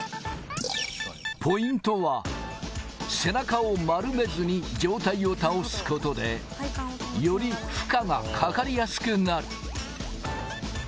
ポイントは背中を丸めずに上体を倒すことで、より負荷がかかりやすくなる。